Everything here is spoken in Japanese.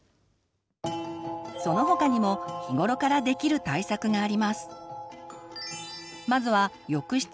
その他にも日頃からできる対策があります。